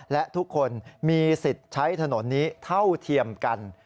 และทุกคนมีสิทธิ์ใช้ถนนนี้เท่าเทียมกัน